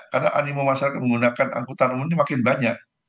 karena animo masyarakat menggunakan angkutan umum ini makin banyak